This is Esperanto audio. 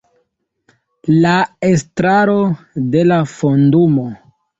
La Estraro de la Fondumo.